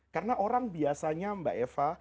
karena orang biasanya mbak eva